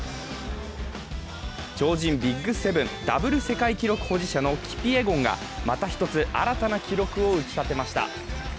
超人ＢＩＧ７、ダブル世界記録保持者のキピエゴンが、また１つ新たな記録を打ち立てました。